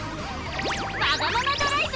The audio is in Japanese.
「わがままドライブ！